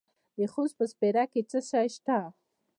د خوست په سپیره کې څه شی شته؟